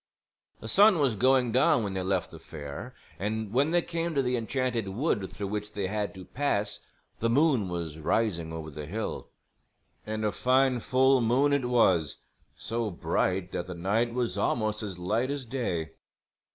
The sun was going down when they left the fair and when they came to the Enchanted Wood through which they had to pass the moon was rising over the hill. And a fine full moon it was, so bright that the night was almost as light as day.